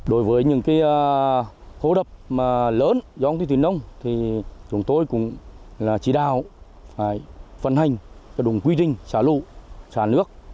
đối với những hồ đập lớn do ông tuy tuyên nông chúng tôi cũng chỉ đào phân hành đúng quy trình xả lụ xả nước